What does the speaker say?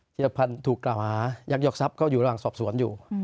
ธิรพันธ์ถูกกล่าวหายักยอกทรัพย์ก็อยู่ระหว่างสอบสวนอยู่